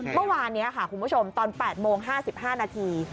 เมื่อวานนี้ค่ะคุณผู้ชมตอน๘โมง๕๕นาที